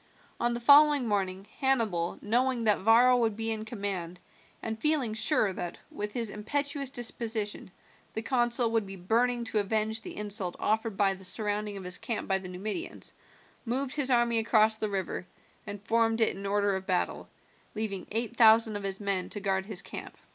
On the following morning Hannibal, knowing that Varro would be in command, and feeling sure that, with his impetuous disposition, the consul would be burning to avenge the insult offered by the surrounding of his camp by the Numidians, moved his army across the river, and formed it in order of battle, leaving eight thousand of his men to guard his camp.